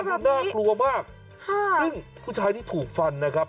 เหตุการณ์น่ากลัวมากค่ะซึ่งผู้ชายที่ถูกฟันนะครับ